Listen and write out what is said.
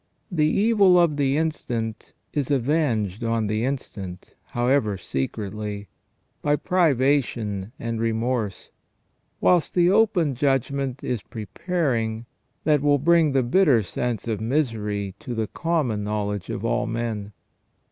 The evil of the instant is avenged on the instant, however secretly, by privation and remorse ; whilst the open judgment is preparing, that will bring the bitter sense of misery to the common know ledge of all men.